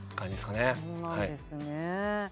そうなんですね。